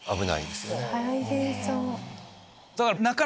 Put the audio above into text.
大変そう。